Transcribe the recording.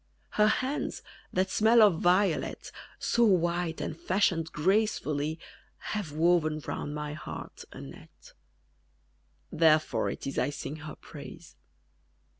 _ Her hands, that smell of violet, So white and fashioned gracefully, Have woven round my heart a net: _Therefore it is I sing her praise.